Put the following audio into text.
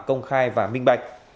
công khai đặc biệt